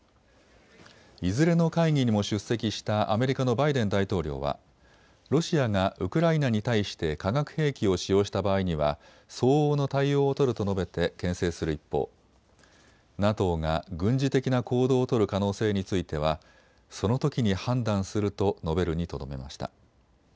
いずれの会議にも出席したアメリカのバイデン大統領はロシアがウクライナに対して化学兵器を使用した場合には相応の対応を取ると述べてけん制する一方、ＮＡＴＯが軍事的な行動を取る可能性についてはそのときに判断すると述べるにとどめました。